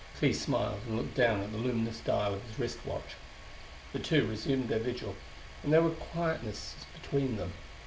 Clee smiled and looked down at the luminous dial of his wrist watch. The two resumed their vigil, and there was quietness between them.